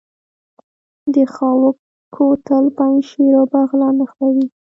د خاوک کوتل پنجشیر او بغلان نښلوي